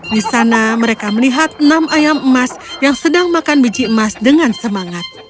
di sana mereka melihat enam ayam emas yang sedang makan biji emas dengan semangat